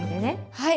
はい。